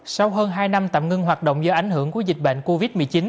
sau hơn hai năm tạm ngưng hoạt động do ảnh hưởng của dịch bệnh covid một mươi chín